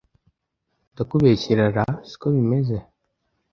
Ndakubeshyera ra siko bimeze